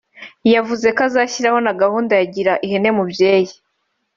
yanavuze ko azashyiraho gahunda ya Gira ihene mubyeyi